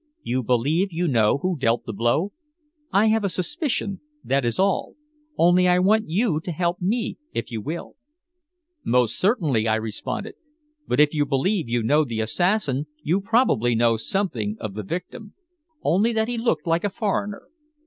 "You believe you know who dealt the blow?" "I have a suspicion that is all. Only I want you to help me, if you will." "Most certainly," I responded. "But if you believe you know the assassin you probably know something of the victim?" "Only that he looked like a foreigner."